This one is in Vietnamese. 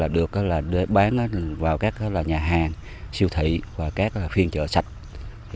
được để bán vào các nhà hàng siêu thị và các phiên chợ sạch